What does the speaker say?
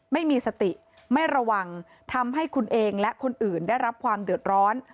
ไม่มีสติไม่ระวังทำให้คุณเองและคนอื่นได้รับความเดือดร้อน